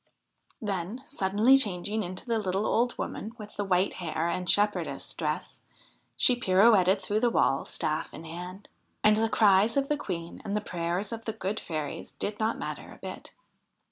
Then, suddenly changing into the little old woman with the white hair and shepherdess dress, she pirouetted through the wall, staff in hand. And the cries of the Queen and the prayers of the good fairies did not matter a bit.